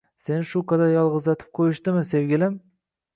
Seni shu qadar yolg’izlatib qo’yishdimi sevgilim?